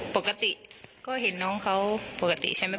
ปกติก็เห็นน้องเขาปกติใช่ไหม